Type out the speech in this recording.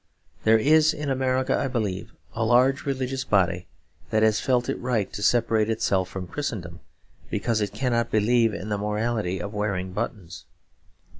There is in America, I believe, a large religious body that has felt it right to separate itself from Christendom because it cannot believe in the morality of wearing buttons.